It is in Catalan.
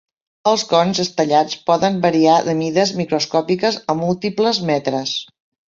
Els cons estellats poden variar de mides microscòpiques a múltiples metres.